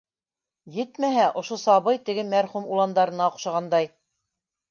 Етмәһә, ошо сабый теге мәрхүм уландарына оҡшағандай.